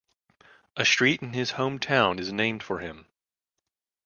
A street in his home town is named for him.